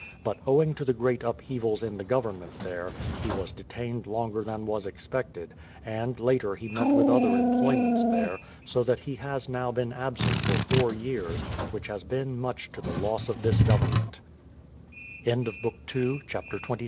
But owing to the great upheavals in the government there, he was de tained longer than was expected, and later he met with other employments there, so that he has now been absent for four years, which has been much to the loss of this government.